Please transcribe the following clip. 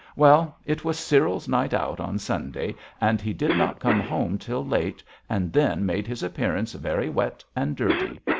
Well, it was Cyril's night out on Sunday, and he did not come home till late, and then made his appearance very wet and dirty.